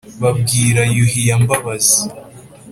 babwira yuhi ya mbabazi